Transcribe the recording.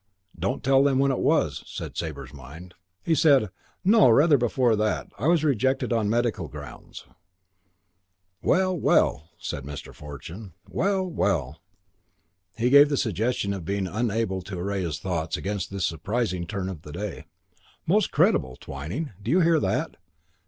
"Don't tell them when it was," said Sabre's mind. He said, "No, rather before that. I was rejected on medical grounds." "Well, well!" said Mr. Fortune. "Well, well!" He gave the suggestion of being unable to array his thoughts against this surprising turn of the day. "Most creditable. Twyning, do you hear that?"